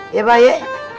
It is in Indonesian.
iya pak ye